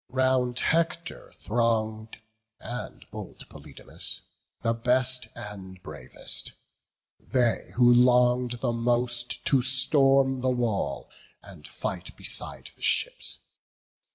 Round Hector throng'd, and bold Polydamas, The best and bravest; they who long'd the most To storm the wall, and fight beside the ships.